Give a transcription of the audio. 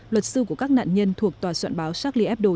luật sư của các nạn nhân thuộc tòa soạn báo charlie hebdo